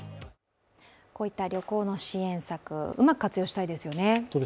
こういった旅行の支援策、うまく活用したいですよね。